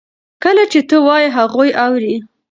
کله چې ته وایې هغوی اوري.